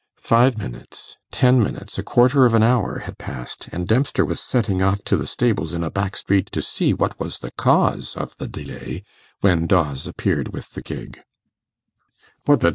Five minutes, ten minutes, a quarter of an hour, had passed, and Dempster was setting off to the stables in a back street to see what was the cause of the delay, when Dawes appeared with the gig.